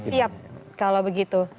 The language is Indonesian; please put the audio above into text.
siap kalau begitu